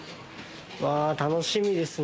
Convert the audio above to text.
わあ楽しみですね。